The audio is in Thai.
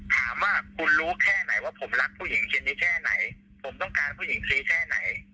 ถามว่าคุณรู้แค่ไหนว่าผมรักผู้หญิงคนนี้แค่ไหนผมต้องการผู้หญิงฟรีแค่ไหน